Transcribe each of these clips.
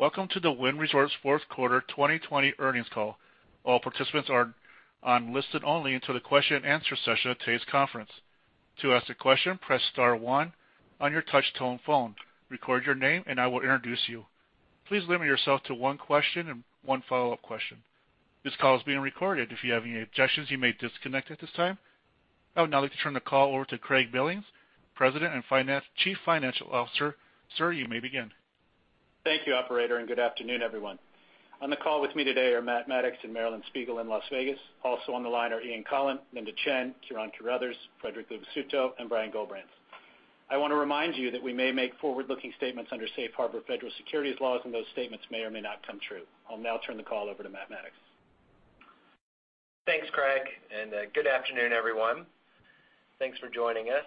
Welcome to the Wynn Resorts fourth quarter 2020 earnings call. All participants are on listen-only until the question and answer session of today's conference. To ask a question, press star one on your touch-tone phone, record your name, and I will introduce you. Please limit yourself to one question and one follow-up question. This call is being recorded. If you have any objections, you may disconnect at this time. I would now like to turn the call over to Craig Billings, President and Chief Financial Officer. Sir, you may begin. Thank you, operator, and good afternoon, everyone. On the call with me today are Matt Maddox and Marilyn Spiegel in Las Vegas. Also on the line are Ian Coughlan, Linda Chen, Ciaran Carruthers, Frederic Luvisutto, and Brian Gullbrants. I want to remind you that we may make forward-looking statements under Safe Harbor federal securities laws, and those statements may or may not come true. I'll now turn the call over to Matt Maddox. Thanks, Craig, and good afternoon, everyone. Thanks for joining us.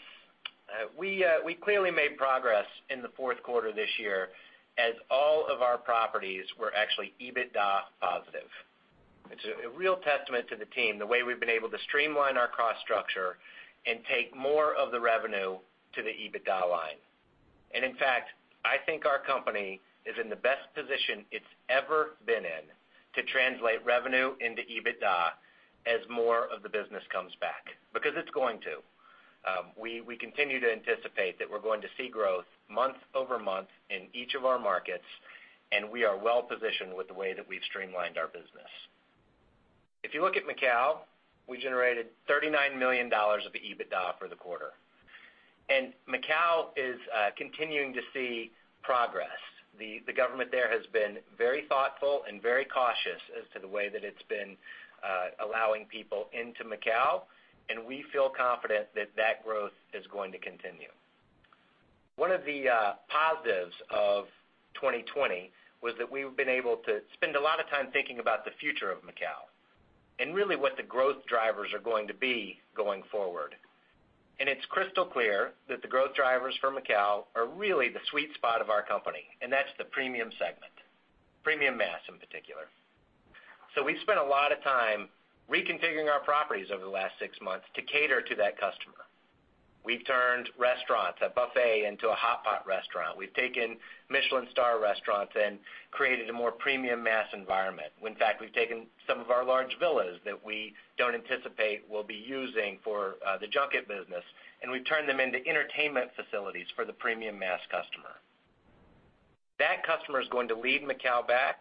We clearly made progress in the fourth quarter this year as all of our properties were actually EBITDA positive. It's a real testament to the team, the way we've been able to streamline our cost structure and take more of the revenue to the EBITDA line. In fact, I think our company is in the best position it's ever been in to translate revenue into EBITDA as more of the business comes back, because it's going to. We continue to anticipate that we're going to see growth month-over-month in each of our markets, and we are well positioned with the way that we've streamlined our business. If you look at Macau, we generated $39 million of EBITDA for the quarter. Macau is continuing to see progress. The government there has been very thoughtful and very cautious as to the way that it's been allowing people into Macau, and we feel confident that that growth is going to continue. One of the positives of 2020 was that we've been able to spend a lot of time thinking about the future of Macau and really what the growth drivers are going to be going forward. It's crystal clear that the growth drivers for Macau are really the sweet spot of our company, and that's the premium segment, premium mass in particular. We've spent a lot of time reconfiguring our properties over the last six months to cater to that customer. We've turned restaurants, a buffet into a hot pot restaurant. We've taken Michelin star restaurants and created a more premium mass environment. In fact, we've taken some of our large villas that we don't anticipate we'll be using for the junket business, and we've turned them into entertainment facilities for the premium mass customer. That customer is going to lead Macau back,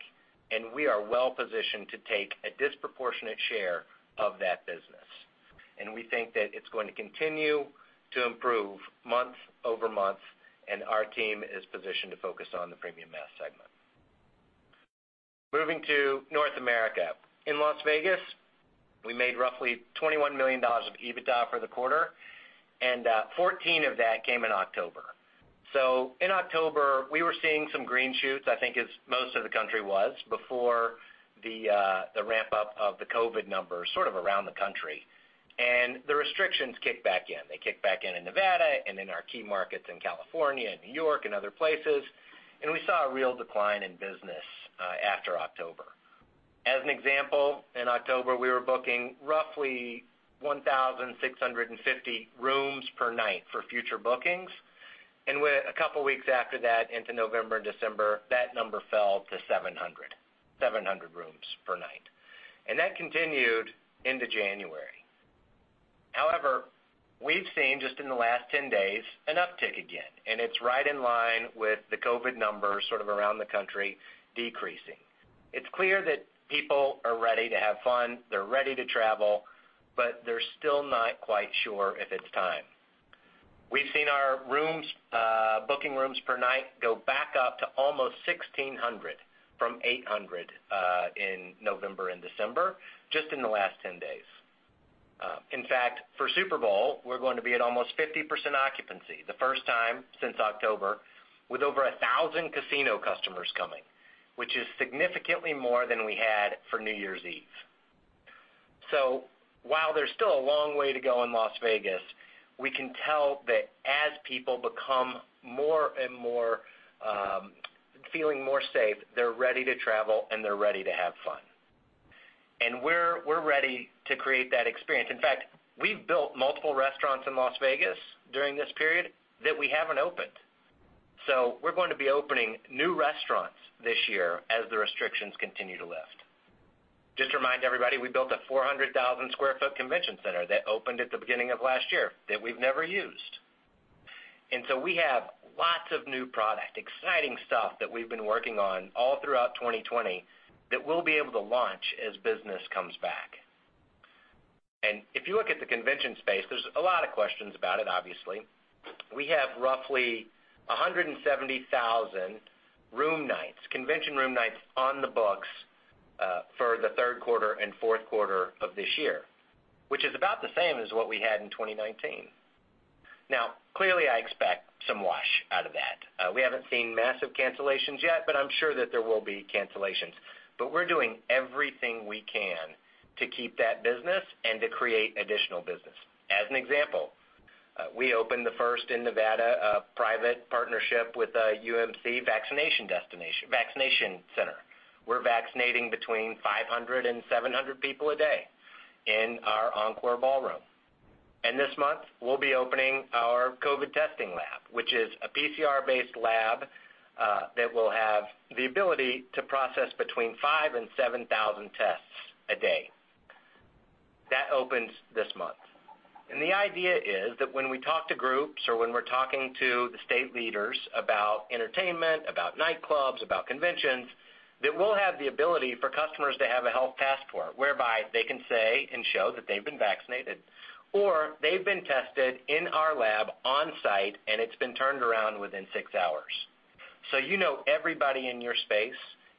and we are well positioned to take a disproportionate share of that business. We think that it's going to continue to improve month-over-month, and our team is positioned to focus on the premium mass segment. Moving to North America. In Las Vegas, we made roughly $21 million of EBITDA for the quarter, and 14 of that came in October. In October, we were seeing some green shoots, I think as most of the country was before the ramp-up of the COVID numbers sort of around the country. The restrictions kicked back in. They kicked back in in Nevada and in our key markets in California and New York and other places. We saw a real decline in business after October. As an example, in October, we were booking roughly 1,650 rooms per night for future bookings. A couple of weeks after that into November and December, that number fell to 700 rooms per night. That continued into January. However, we've seen just in the last 10 days an uptick again, and it's right in line with the COVID numbers sort of around the country decreasing. It's clear that people are ready to have fun, they're ready to travel, but they're still not quite sure if it's time. We've seen our booking rooms per night go back up to almost 1,600 from 800 in November and December, just in the last 10 days. In fact, for Super Bowl, we're going to be at almost 50% occupancy, the first time since October, with over 1,000 casino customers coming, which is significantly more than we had for New Year's Eve. While there's still a long way to go in Las Vegas, we can tell that as people become more and more feeling more safe, they're ready to travel and they're ready to have fun. We're ready to create that experience. In fact, we've built multiple restaurants in Las Vegas during this period that we haven't opened. We're going to be opening new restaurants this year as the restrictions continue to lift. Just to remind everybody, we built a 400,000 sq ft convention center that opened at the beginning of last year that we've never used. We have lots of new product, exciting stuff that we've been working on all throughout 2020 that we'll be able to launch as business comes back. If you look at the convention space, there's a lot of questions about it, obviously. We have roughly 170,000 room nights, convention room nights on the books for the third quarter and fourth quarter of this year, which is about the same as what we had in 2019. Clearly, I expect some wash out of that. We haven't seen massive cancellations yet, but I'm sure that there will be cancellations. We're doing everything we can to keep that business and to create additional business. As an example, we opened the first in Nevada private partnership with UMC vaccination center. We're vaccinating between 500 and 700 people a day in our Encore Ballroom. This month, we'll be opening our COVID testing lab, which is a PCR-based lab that will have the ability to process between 5,000 and 7,000 tests a day. That opens this month. The idea is that when we talk to groups or when we're talking to the state leaders about entertainment, about nightclubs, about conventions, that we'll have the ability for customers to have a health passport, whereby they can say and show that they've been vaccinated, or they've been tested in our lab on-site and it's been turned around within six hours. You know everybody in your space,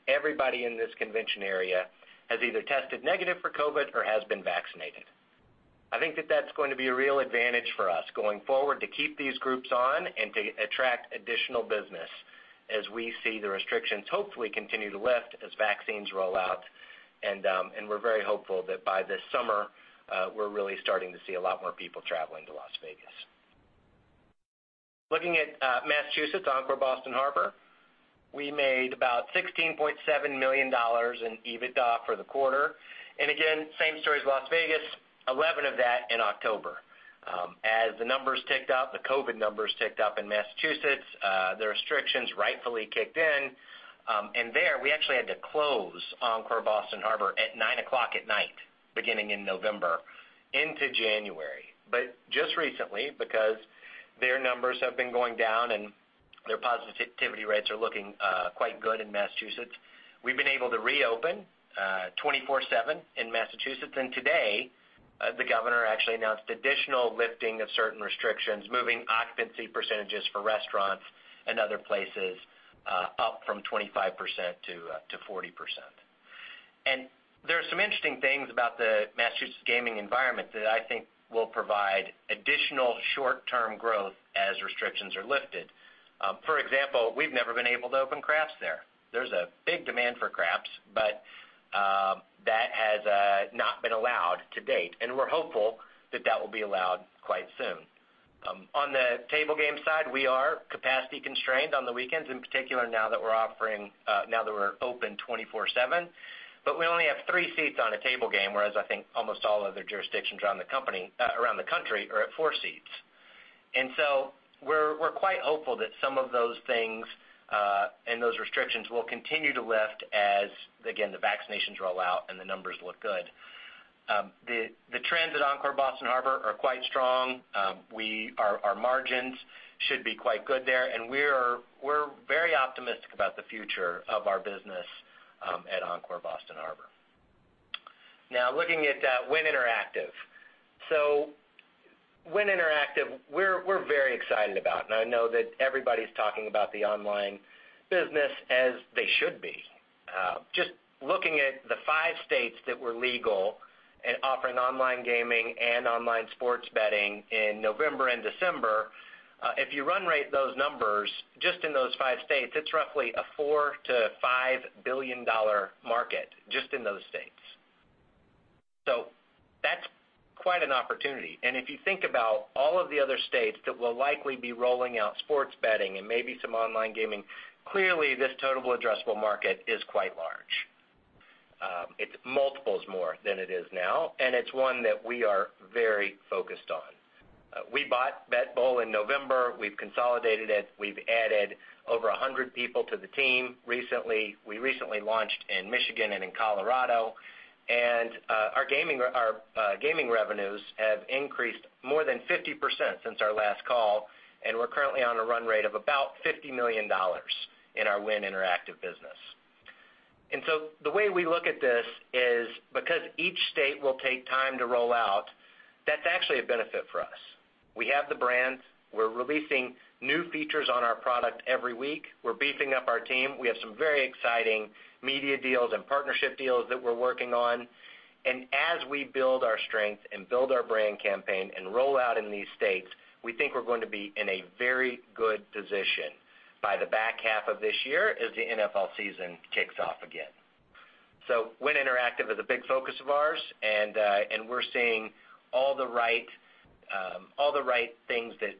everybody in this convention area, has either tested negative for COVID or has been vaccinated. I think that that's going to be a real advantage for us going forward to keep these groups on and to attract additional business as we see the restrictions hopefully continue to lift as vaccines roll out and we're very hopeful that by this summer, we're really starting to see a lot more people traveling to Las Vegas. Looking at Massachusetts Encore Boston Harbor, we made about $16.7 million in EBITDA for the quarter. Again, same story as Las Vegas, 11 of that in October. As the numbers ticked up, the COVID numbers ticked up in Massachusetts, the restrictions rightfully kicked in. There, we actually had to close Encore Boston Harbor at 9:00 P.M., beginning in November into January. Just recently, because their numbers have been going down and their positivity rates are looking quite good in Massachusetts, we've been able to reopen 24/7 in Massachusetts, and today, the governor actually announced additional lifting of certain restrictions, moving occupancy percentages for restaurants and other places up from 25%-40%. There are some interesting things about the Massachusetts gaming environment that I think will provide additional short-term growth as restrictions are lifted. For example, we've never been able to open craps there. There's a big demand for craps, but that has not been allowed to date, and we're hopeful that that will be allowed quite soon. On the table game side, we are capacity constrained on the weekends, in particular, now that we're open 24/7, but we only have three seats on a table game, whereas I think almost all other jurisdictions around the country are at four seats. We're quite hopeful that some of those things, and those restrictions will continue to lift as, again, the vaccinations roll out and the numbers look good. The trends at Encore Boston Harbor are quite strong. Our margins should be quite good there, and we're very optimistic about the future of our business at Encore Boston Harbor. Now, looking at Wynn Interactive. Wynn Interactive, we're very excited about, and I know that everybody's talking about the online business as they should be. Just looking at the five states that were legal and offering online gaming and online sports betting in November and December, if you run rate those numbers just in those five states, it's roughly a $4 billion-$5 billion market, just in those states. That's quite an opportunity, if you think about all of the other states that will likely be rolling out sports betting and maybe some online gaming, clearly this total addressable market is quite large. It's multiples more than it is now, it's one that we are very focused on. We bought BetBull in November. We've consolidated it. We've added over 100 people to the team recently. We recently launched in Michigan and in Colorado, our gaming revenues have increased more than 50% since our last call, we're currently on a run rate of about $50 million in our Wynn Interactive business. The way we look at this is because each state will take time to roll out, that's actually a benefit for us. We have the brands. We're releasing new features on our product every week. We're beefing up our team. We have some very exciting media deals and partnership deals that we're working on. As we build our strength and build our brand campaign and roll out in these states, we think we're going to be in a very good position by the back half of this year as the NFL season kicks off again. Wynn Interactive is a big focus of ours, and we're seeing all the right things that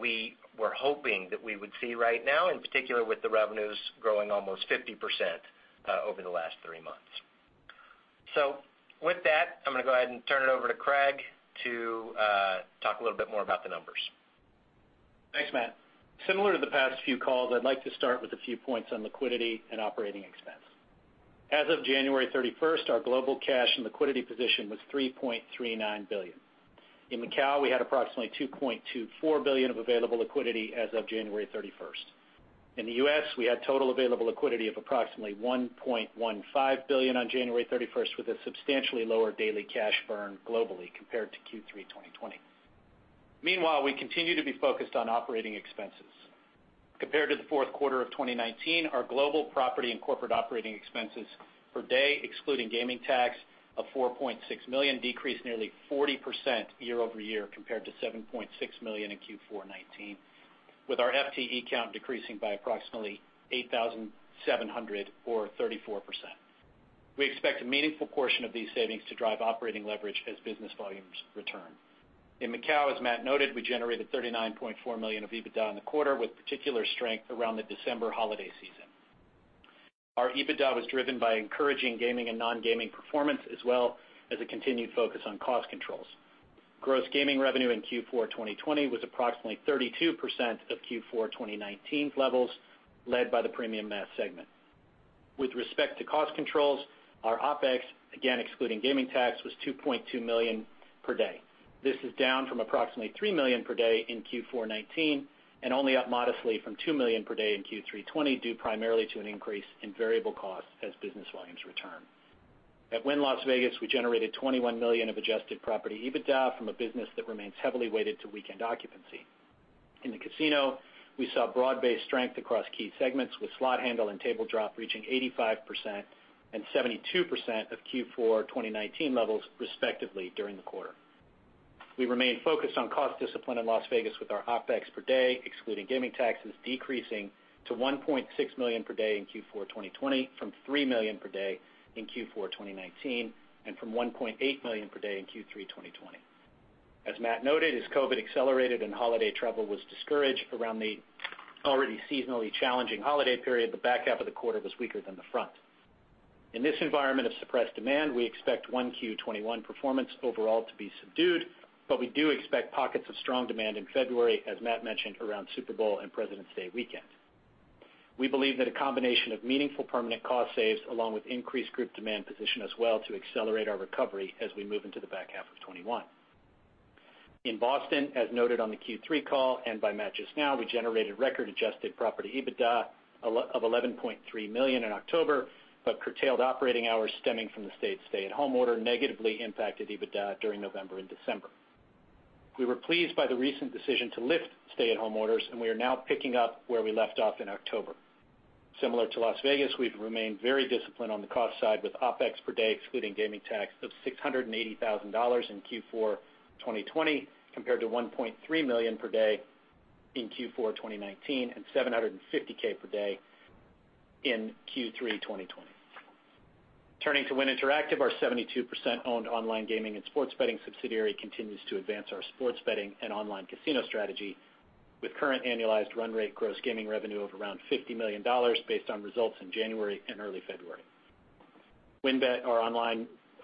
we were hoping that we would see right now, in particular with the revenues growing almost 50% over the last three months. With that, I'm going to go ahead and turn it over to Craig to talk a little bit more about the numbers. Thanks, Matt. Similar to the past few calls, I'd like to start with a few points on liquidity and operating expense. As of January 31st, our global cash and liquidity position was $3.39 billion. In Macau, we had approximately $2.24 billion of available liquidity as of January 31st. In the U.S., we had total available liquidity of approximately $1.15 billion on January 31st, with a substantially lower daily cash burn globally compared to Q3 2020. We continue to be focused on operating expenses. Compared to the fourth quarter of 2019, our global property and corporate operating expenses per day, excluding gaming tax of $4.6 million, decreased nearly 40% year-over-year compared to $7.6 million in Q4 2019, with our FTE count decreasing by approximately 8,700 or 34%. We expect a meaningful portion of these savings to drive operating leverage as business volumes return. In Macau, as Matt noted, we generated $39.4 million of EBITDA in the quarter, with particular strength around the December holiday season. Our EBITDA was driven by encouraging gaming and non-gaming performance, as well as a continued focus on cost controls. Gross gaming revenue in Q4 2020 was approximately 32% of Q4 2019 levels, led by the premium mass segment. With respect to cost controls, our OpEx, again, excluding gaming tax, was $2.2 million per day. This is down from approximately $3 million per day in Q4 2019, and only up modestly from $2 million per day in Q3 2020, due primarily to an increase in variable costs as business volumes return. At Wynn Las Vegas, we generated $21 million of adjusted property EBITDA from a business that remains heavily weighted to weekend occupancy. In the casino, we saw broad-based strength across key segments, with slot handle and table drop reaching 85% and 72% of Q4 2019 levels respectively during the quarter. We remain focused on cost discipline in Las Vegas with our OpEx per day, excluding gaming taxes, decreasing to $1.6 million per day in Q4 2020 from $3 million per day in Q4 2019, and from $1.8 million per day in Q3 2020. As Matt noted, as COVID accelerated and holiday travel was discouraged around the already seasonally challenging holiday period, the back half of the quarter was weaker than the front. In this environment of suppressed demand, we expect 1Q 2021 performance overall to be subdued, but we do expect pockets of strong demand in February, as Matt mentioned, around Super Bowl and President's Day weekend. We believe that a combination of meaningful permanent cost saves, along with increased group demand position, as well to accelerate our recovery as we move into the back half of 2021. In Boston, as noted on the Q3 call and by Matt just now, we generated record-adjusted property EBITDA of $11.3 million in October, but curtailed operating hours stemming from the state's stay-at-home order negatively impacted EBITDA during November and December. We were pleased by the recent decision to lift stay-at-home orders, and we are now picking up where we left off in October. Similar to Las Vegas, we've remained very disciplined on the cost side with OpEx per day, excluding gaming tax, of $680,000 in Q4 2020 compared to $1.3 million per day in Q4 2019 and $750K per day in Q3 2020. Turning to Wynn Interactive, our 72%-owned online gaming and sports betting subsidiary continues to advance our sports betting and online casino strategy with current annualized run rate gross gaming revenue of around $50 million based on results in January and early February. WynnBET,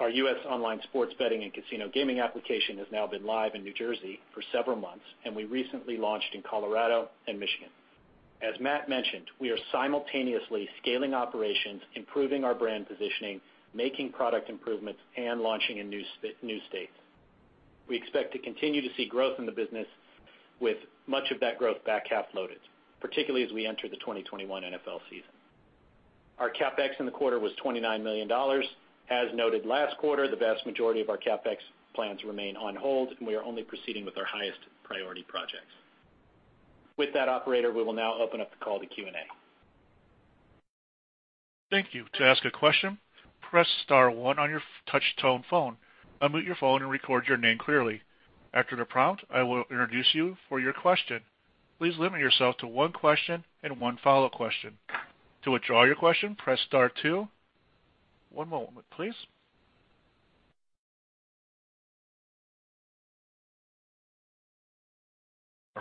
our U.S. online sports betting and casino gaming application, has now been live in New Jersey for several months, and we recently launched in Colorado and Michigan. As Matt mentioned, we are simultaneously scaling operations, improving our brand positioning, making product improvements, and launching in new states. We expect to continue to see growth in the business with much of that growth back-half loaded, particularly as we enter the 2021 NFL season. Our CapEx in the quarter was $29 million. As noted last quarter, the vast majority of our CapEx plans remain on hold, and we are only proceeding with our highest priority projects. With that, operator, we will now open up the call to Q&A. Our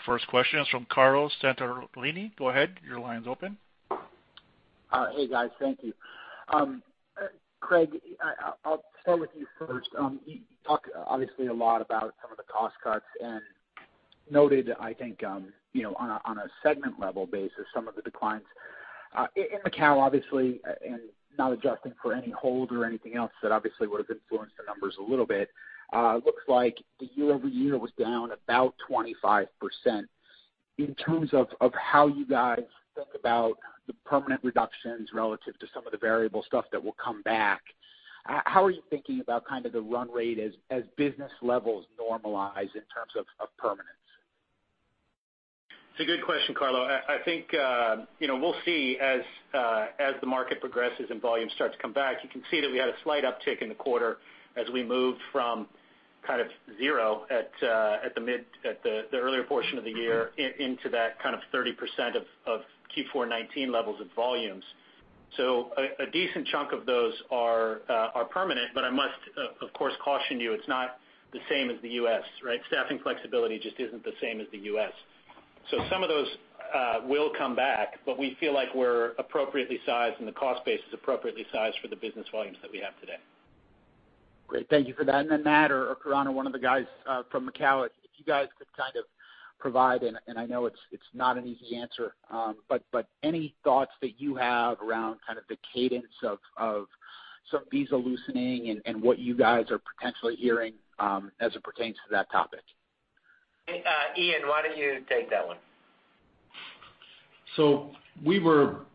first question is from Carlo Santarelli. Go ahead, your line's open. Hey, guys. Thank you. Craig, I'll start with you first. You talk obviously a lot about some of the cost cuts and noted, I think, on a segment-level basis, some of the declines. In Macau, obviously, and not adjusting for any hold or anything else that obviously would've influenced the numbers a little bit, looks like the year-over-year was down about 25%. In terms of how you guys think about the permanent reductions relative to some of the variable stuff that will come back, how are you thinking about the run rate as business levels normalize in terms of permanence? It's a good question, Carlo. I think we'll see as the market progresses and volumes start to come back. You can see that we had a slight uptick in the quarter as we moved from zero at the earlier portion of the year into that 30% of Q4 2019 levels of volumes. A decent chunk of those are permanent, but I must, of course, caution you, it's not the same as the U.S., right? Staffing flexibility just isn't the same as the U.S. Some of those will come back, but we feel like we're appropriately sized and the cost base is appropriately sized for the business volumes that we have today. Great. Thank you for that. Matt or Ciaran, one of the guys from Macau, if you guys could kind of provide, and I know it's not an easy answer, but any thoughts that you have around the cadence of some visas loosening and what you guys are potentially hearing as it pertains to that topic? Ian, why don't you take that one? We were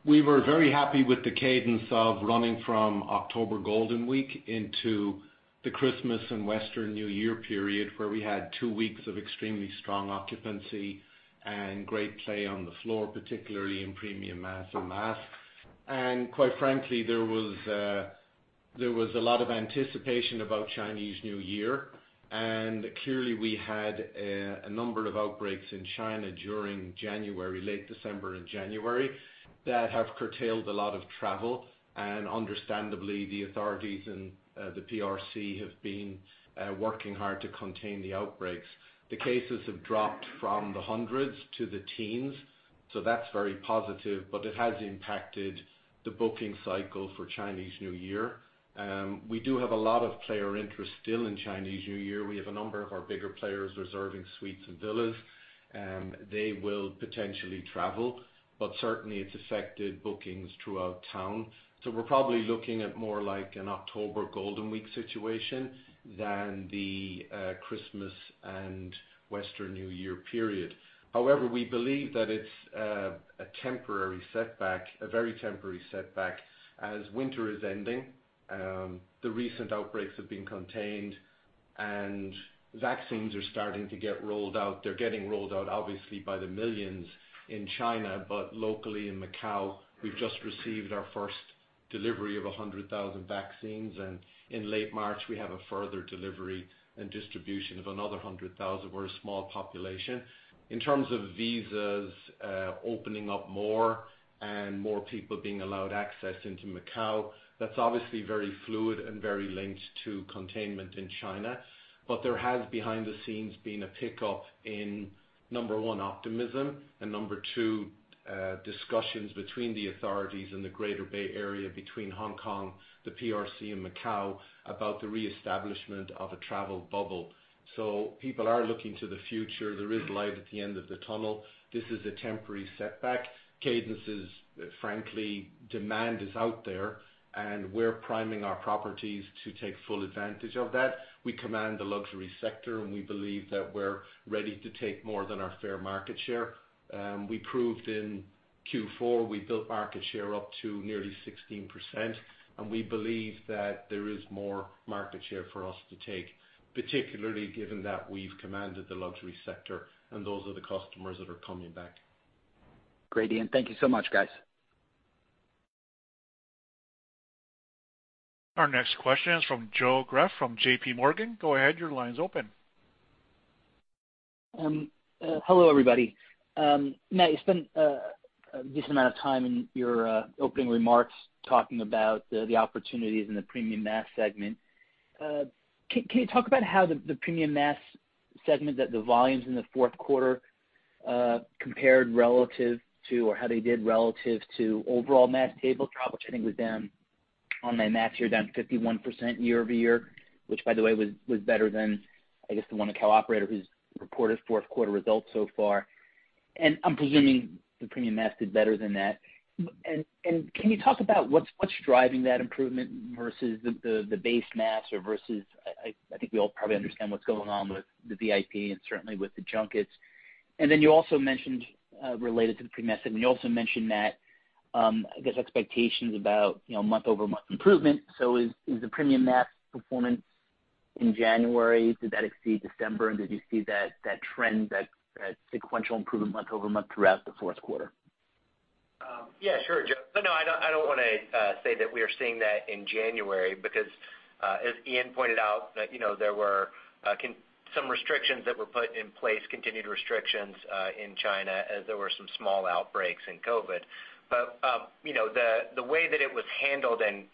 very happy with the cadence of running from October Golden Week into the Christmas and Western New Year period, where we had two weeks of extremely strong occupancy and great play on the floor, particularly in premium mass and mass. Quite frankly, there was a lot of anticipation about Chinese New Year. Clearly, we had a number of outbreaks in China during late December and January that have curtailed a lot of travel. Understandably, the authorities in the PRC have been working hard to contain the outbreaks. The cases have dropped from the hundreds to the teens, so that's very positive, but it has impacted the booking cycle for Chinese New Year. We do have a lot of player interest still in Chinese New Year. We have a number of our bigger players reserving suites and villas. They will potentially travel, but certainly it's affected bookings throughout town. We're probably looking at more like an October Golden Week situation than the Christmas and Western New Year period. However, we believe that it's a very temporary setback. As winter is ending, the recent outbreaks have been contained, and vaccines are starting to get rolled out. They're getting rolled out, obviously, by the millions in China, but locally in Macau, we've just received our first delivery of 100,000 vaccines, and in late March, we have a further delivery and distribution of another 100,000. We're a small population. In terms of visas opening up more and more people being allowed access into Macau, that's obviously very fluid and very linked to containment in China. There has, behind the scenes, been a pickup in, number one, optimism, and number two, discussions between the authorities in the Greater Bay Area between Hong Kong, the PRC, and Macau about the reestablishment of a travel bubble. People are looking to the future. There is light at the end of the tunnel. This is a temporary setback. Cadences, frankly, demand is out there, and we're priming our properties to take full advantage of that. We command the luxury sector, and we believe that we're ready to take more than our fair market share. We proved in Q4, we built market share up to nearly 16%, and we believe that there is more market share for us to take, particularly given that we've commanded the luxury sector, and those are the customers that are coming back. Great, Ian. Thank you so much, guys. Our next question is from Joe Greff from JPMorgan. Go ahead, your line's open. Hello, everybody. Matt, you spent a decent amount of time in your opening remarks talking about the opportunities in the premium mass segment. Can you talk about how the premium mass segment the volumes in Q4 2020 compared relative to, or how they did relative to overall mass table drop, which I think was down [on their mass] year, down 51% year-over-year, which by the way, was better than, I guess, the one Macau operator who's reported Q4 2020 results so far. I'm presuming the premium mass did better than that. Can you talk about what's driving that improvement versus the base mass or I think we all probably understand what's going on with the VIP and certainly with the junkets. You also mentioned, related to the premium mass, I guess expectations about month-over-month improvement. Is the premium mass performance in January, did that exceed December? Did you see that trend, that sequential improvement month-over-month throughout the fourth quarter? Yeah, sure, Joe. I don't want to say that we are seeing that in January because, as Ian pointed out, there were some restrictions that were put in place, continued restrictions in China as there were some small outbreaks in COVID. The way that it was handled and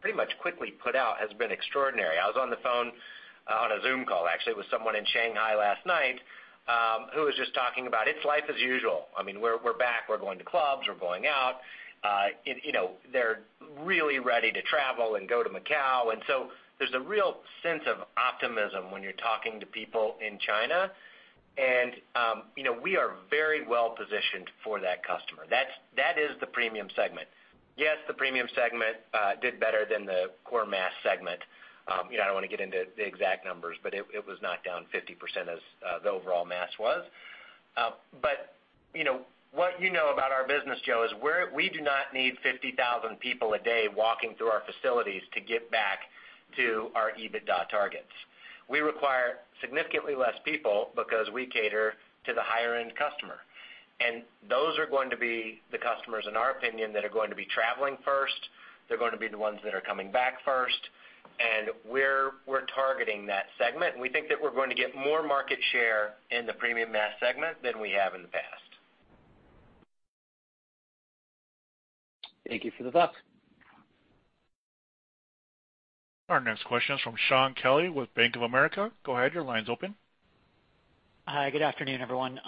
pretty much quickly put out has been extraordinary. I was on the phone on a Zoom call, actually, with someone in Shanghai last night, who was just talking about, "It's life as usual. We're back. We're going to clubs. We're going out." They're really ready to travel and go to Macau. There's a real sense of optimism when you're talking to people in China. We are very well positioned for that customer. That is the premium segment. Yes, the premium segment did better than the core mass segment. I don't want to get into the exact numbers. It was not down 50% as the overall mass was. What you know about our business, Joe, is we do not need 50,000 people a day walking through our facilities to get back to our EBITDA targets. We require significantly less people because we cater to the higher-end customer. Those are going to be the customers, in our opinion, that are going to be traveling first. They're going to be the ones that are coming back first. We're targeting that segment, and we think that we're going to get more market share in the premium mass segment than we have in the past. Thank you for the thoughts. Our next question is from Shaun Kelley with Bank of America. Go ahead, your line's open. Hi, good afternoon, everyone.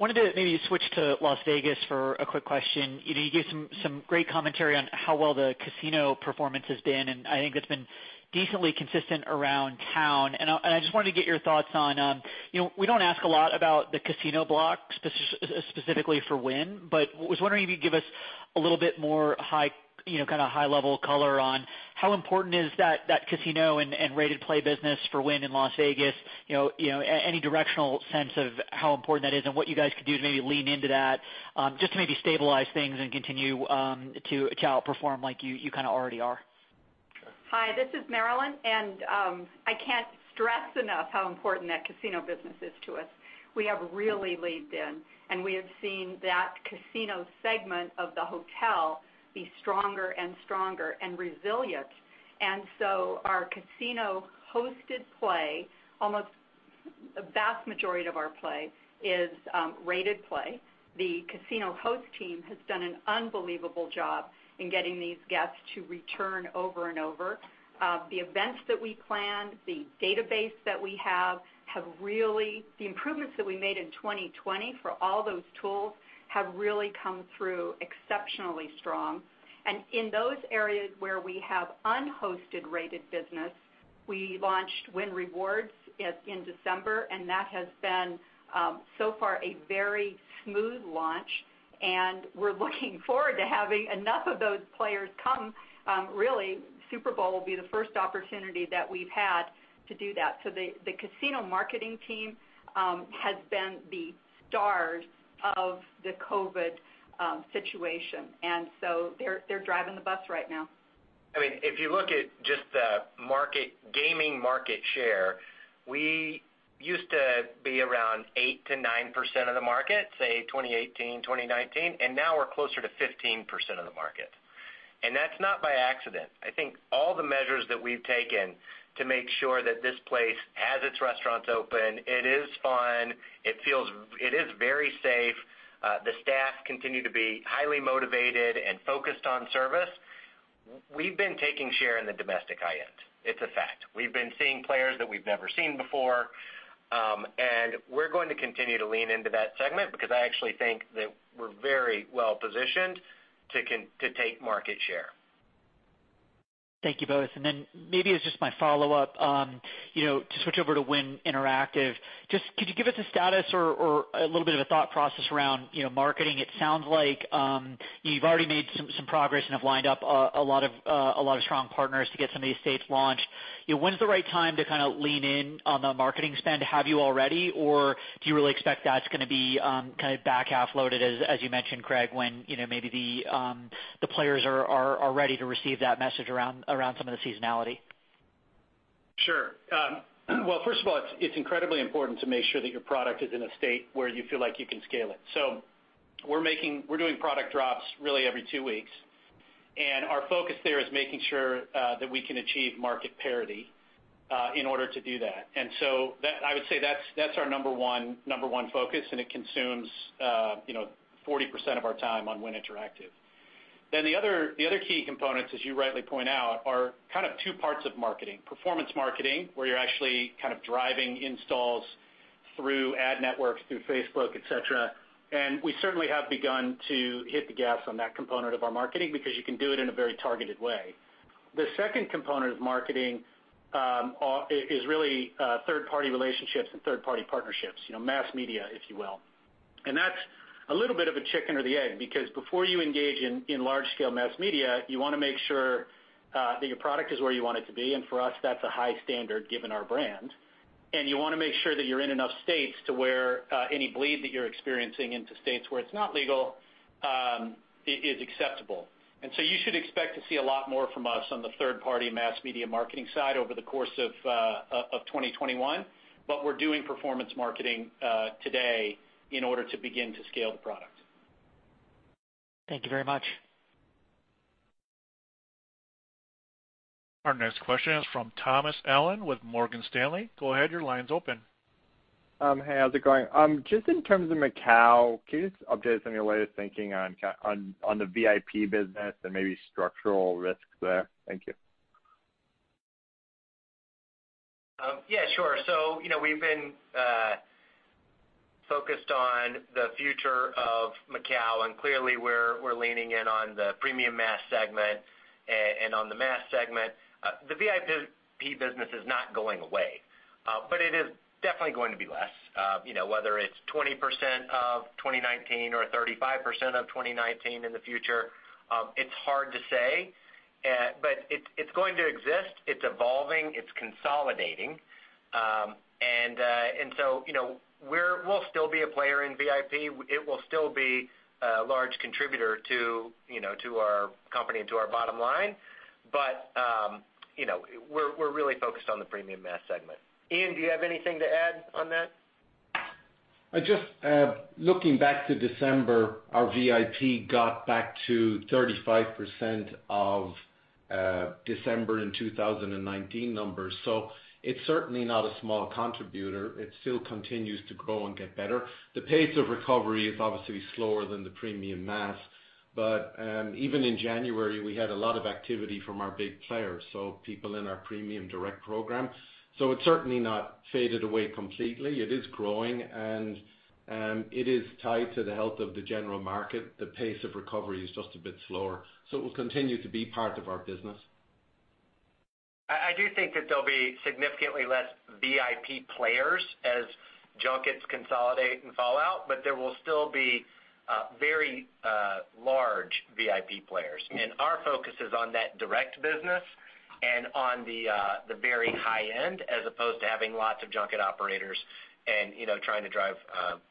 Wanted to maybe switch to Las Vegas for a quick question. You gave some great commentary on how well the casino performance has been. I think that's been decently consistent around town. I just wanted to get your thoughts on, we don't ask a lot about the casino block specifically for Wynn, but was wondering if you'd give us a little bit more kind of high-level color on how important is that casino and rated play business for Wynn in Las Vegas. Any directional sense of how important that is and what you guys could do to maybe lean into that, just to maybe stabilize things and continue to outperform like you kind of already are. Hi, this is Marilyn. I can't stress enough how important that casino business is to us. We have really leaned in, and we have seen that casino segment of the hotel be stronger and stronger and resilient. Our casino hosted play. The vast majority of our play is rated play. The casino host team has done an unbelievable job in getting these guests to return over and over. The events that we plan, the database that we have, the improvements that we made in 2020 for all those tools have really come through exceptionally strong. In those areas where we have unhosted rated business, we launched Wynn Rewards in December, and that has been, so far, a very smooth launch, and we're looking forward to having enough of those players come. Really, Super Bowl will be the first opportunity that we've had to do that. The casino marketing team has been the stars of the COVID situation, and so they're driving the bus right now. If you look at just the gaming market share, we used to be around 8%-9% of the market, say, 2018, 2019. Now we're closer to 15% of the market. That's not by accident. I think all the measures that we've taken to make sure that this place has its restaurants open, it is fun, it is very safe, the staff continue to be highly motivated and focused on service. We've been taking share in the domestic high end. It's a fact. We've been seeing players that we've never seen before. We're going to continue to lean into that segment because I actually think that we're very well positioned to take market share. Thank you both. Then maybe as just my follow-up, to switch over to Wynn Interactive, just could you give us a status or a little bit of a thought process around marketing? It sounds like you've already made some progress and have lined up a lot of strong partners to get some of these states launched. When's the right time to kind of lean in on the marketing spend? Have you already, or do you really expect that's going to be kind of back-half loaded, as you mentioned, Craig, when maybe the players are ready to receive that message around some of the seasonality? Sure. Well, first of all, it's incredibly important to make sure that your product is in a state where you feel like you can scale it. We're doing product drops really every two weeks, and our focus there is making sure that we can achieve market parity in order to do that. I would say that's our number one focus, and it consumes 40% of our time on Wynn Interactive. The other key components, as you rightly point out, are kind of two parts of marketing. Performance marketing, where you're actually kind of driving installs through ad networks, through Facebook, et cetera, and we certainly have begun to hit the gas on that component of our marketing because you can do it in a very targeted way. The second component of marketing is really third-party relationships and third-party partnerships, mass media, if you will. That's a little bit of a chicken or the egg, because before you engage in large-scale mass media, you want to make sure that your product is where you want it to be, and for us, that's a high standard given our brand. You want to make sure that you're in enough states to where any bleed that you're experiencing into states where it's not legal is acceptable. You should expect to see a lot more from us on the third-party mass media marketing side over the course of 2021. We're doing performance marketing today in order to begin to scale the product. Thank you very much. Our next question is from Thomas Allen with Morgan Stanley. Go ahead, your line's open. Hey, how's it going? Just in terms of Macau, can you just update us on your way of thinking on the VIP business and maybe structural risks there? Thank you. Yeah, sure. We've been focused on the future of Macau, and clearly we're leaning in on the premium mass segment and on the mass segment. The VIP business is not going away. It is definitely going to be less. Whether it's 20% of 2019 or 35% of 2019 in the future, it's hard to say. It's going to exist. It's evolving, it's consolidating. We'll still be a player in VIP. It will still be a large contributor to our company and to our bottom line. We're really focused on the premium mass segment. Ian, do you have anything to add on that? Just looking back to December, our VIP got back to 35% of December in 2019 numbers. It's certainly not a small contributor. It still continues to grow and get better. The pace of recovery is obviously slower than the premium mass. Even in January, we had a lot of activity from our big players, so people in our premium direct program. It's certainly not faded away completely. It is growing, and it is tied to the health of the general market. The pace of recovery is just a bit slower. It will continue to be part of our business. I do think that there'll be significantly less VIP players as junkets consolidate and fall out, but there will still be very large VIP players. Our focus is on that direct business and on the very high end, as opposed to having lots of junket operators and trying to drive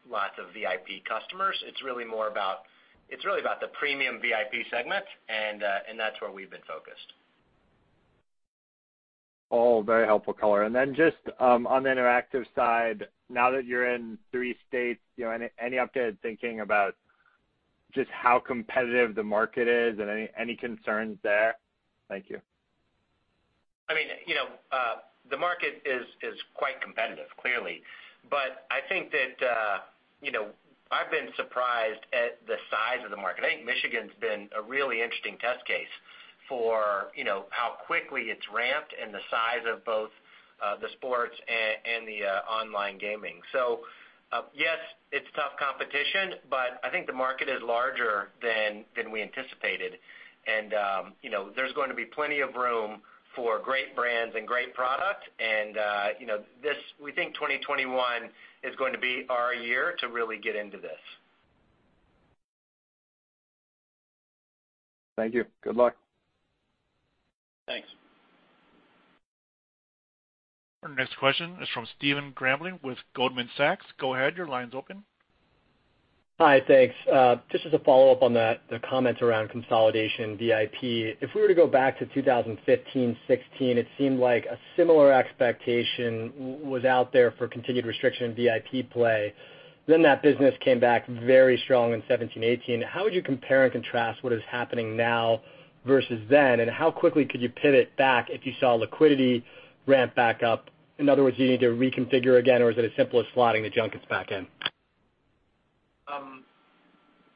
lots of VIP customers. It's really about the premium VIP segment, and that's where we've been focused. Very helpful color. Just on the interactive side, now that you're in three states, any update in thinking about just how competitive the market is and any concerns there? Thank you. The market is quite competitive, clearly. I think that I've been surprised at the size of the market. I think Michigan's been a really interesting test case for how quickly it's ramped and the size of both the sports and the online gaming. Yes, it's tough competition, but I think the market is larger than we anticipated. There's going to be plenty of room for great brands and great product. We think 2021 is going to be our year to really get into this. Thank you. Good luck. Thanks. Our next question is from Stephen Grambling with Goldman Sachs. Go ahead, your line's open. Hi, thanks. Just as a follow-up on the comments around consolidation VIP. If we were to go back to 2015, 2016, it seemed like a similar expectation was out there for continued restriction in VIP play. That business came back very strong in 2017, 2018. How would you compare and contrast what is happening now versus then, and how quickly could you pivot back if you saw liquidity ramp back up? In other words, do you need to reconfigure again, or is it as simple as slotting the junkets back in?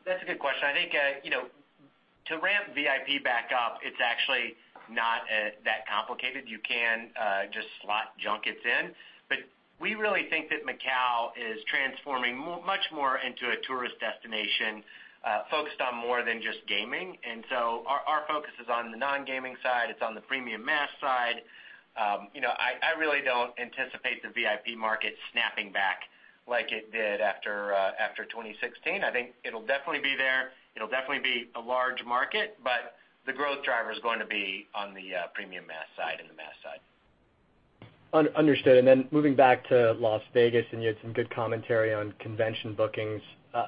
That's a good question. I think to ramp VIP back up, it's actually not that complicated. You can just slot junkets in. We really think that Macau is transforming much more into a tourist destination focused on more than just gaming. Our focus is on the non-gaming side. It's on the premium mass side. I really don't anticipate the VIP market snapping back like it did after 2016. I think it'll definitely be there. It'll definitely be a large market, but the growth driver is going to be on the premium mass side and the mass side. Understood. Moving back to Las Vegas, you had some good commentary on convention bookings.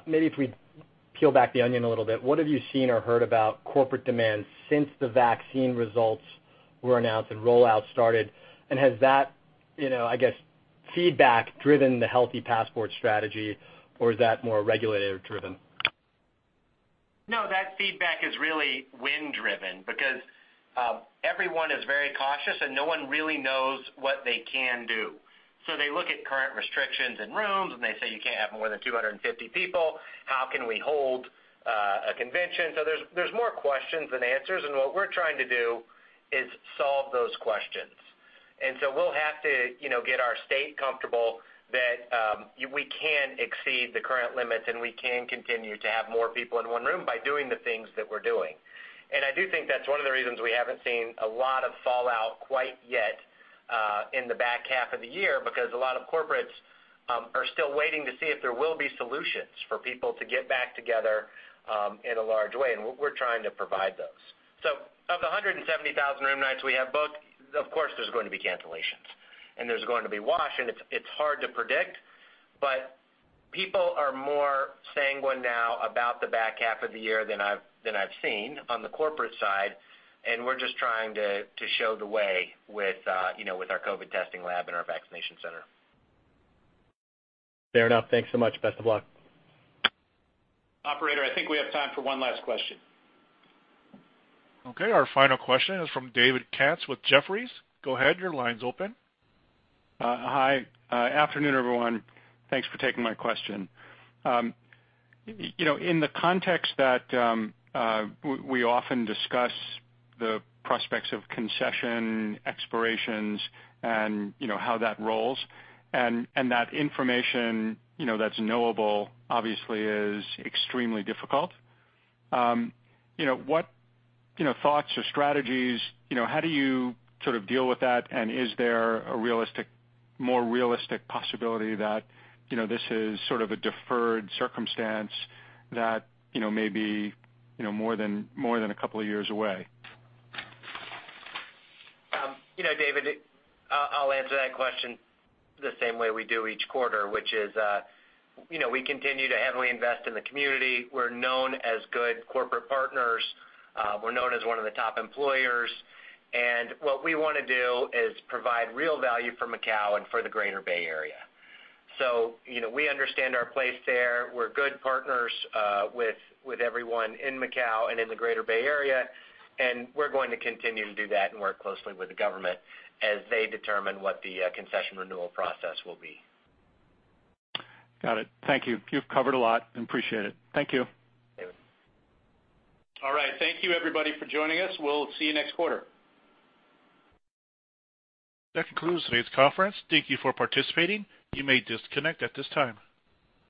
Maybe if we peel back the onion a little bit, what have you seen or heard about corporate demand since the vaccine results were announced and rollout started? Has that feedback driven the healthy passport strategy, or is that more regulator driven? No, that feedback is really Wynn driven because everyone is very cautious, and no one really knows what they can do. They look at current restrictions and rooms, and they say, "You can't have more than 250 people. How can we hold a convention?" There's more questions than answers, and what we're trying to do is solve those questions. We'll have to get our state comfortable that we can exceed the current limits, and we can continue to have more people in one room by doing the things that we're doing. I do think that's one of the reasons we haven't seen a lot of fallout quite yet in the back half of the year, because a lot of corporates are still waiting to see if there will be solutions for people to get back together in a large way, and we're trying to provide those. Of the 170,000 room nights we have booked, of course, there's going to be cancellations. There's going to be wash, and it's hard to predict, but people are more sanguine now about the back half of the year than I've seen on the corporate side, and we're just trying to show the way with our COVID testing lab and our vaccination center. Fair enough. Thanks so much. Best of luck. Operator, I think we have time for one last question. Okay, our final question is from David Katz with Jefferies. Go ahead, your line's open. Hi. Afternoon, everyone. Thanks for taking my question. In the context that we often discuss the prospects of concession expirations and how that rolls and that information that's knowable, obviously, is extremely difficult. What thoughts or strategies, how do you sort of deal with that, and is there a more realistic possibility that this is sort of a deferred circumstance that may be more than a couple of years away? David, I'll answer that question the same way we do each quarter, which is we continue to heavily invest in the community. We're known as good corporate partners. We're known as one of the top employers, and what we want to do is provide real value for Macau and for the Greater Bay Area. We understand our place there. We're good partners with everyone in Macau and in the Greater Bay Area, and we're going to continue to do that and work closely with the government as they determine what the concession renewal process will be. Got it. Thank you. You've covered a lot. Appreciate it. Thank you. David. All right. Thank you everybody for joining us. We'll see you next quarter. That concludes today's conference. Thank you for participating. You may disconnect at this time.